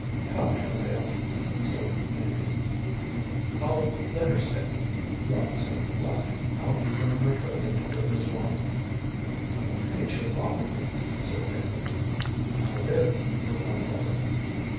"Come, Amabel," said Andrew. "Oh, let her stay," Robert said, laughing. "I'll keep her in my coat until it is warm." "I'm afraid she'll bother you," said Fanny. "Not a bit," replied Robert.